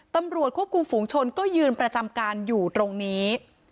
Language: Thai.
ตำรวจควบคุมฝูงชนก็ยืนประจำการอยู่ตรงนี้